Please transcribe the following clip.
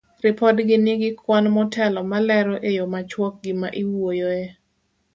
Ripodgi nigi kwan motelo malero e yo machuok gima iwuoyoe.